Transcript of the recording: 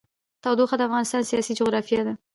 تودوخه د افغانستان د سیاسي جغرافیه برخه ده.